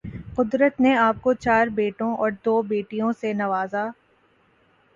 قدرت نے آپ کو چار بیٹوں اور دو بیٹیوں سے نوازا